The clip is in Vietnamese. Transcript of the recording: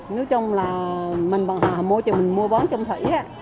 nếu chung là mình bọn họ mua cho mình mua bán trong thủy